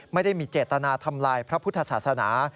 ไม่ได้มีเจตนาทำลายพระพุทธศาสนา